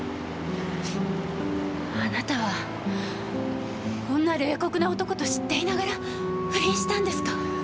あなたはこんな冷酷な男と知っていながら不倫したんですか？